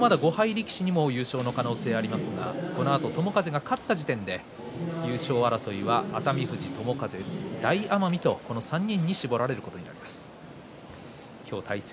力士にも優勝の可能性はありますがこのあと友風が勝ったところで優勝争いは熱海富士、友風大奄美の３人に絞られることになります。